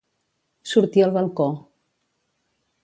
Sortí al balcó.